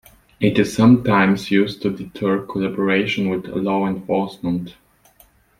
It is sometimes used to deter collaboration with law enforcement.